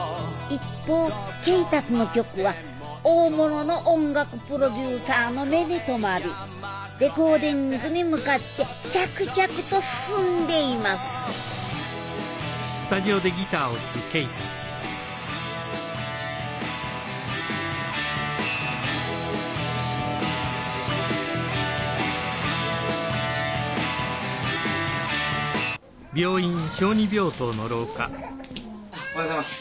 一方恵達の曲は大物の音楽プロデューサーの目にとまりレコーディングに向かって着々と進んでいますおはようございます。